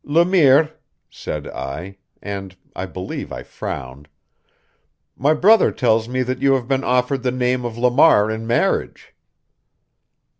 "Le Mire," said I, and I believe I frowned, "my brother tells me that you have been offered the name of Lamar in marriage."